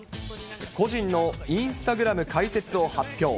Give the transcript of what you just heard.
個人のインスタグラム開設を発表。